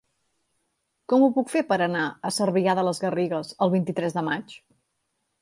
Com ho puc fer per anar a Cervià de les Garrigues el vint-i-tres de maig?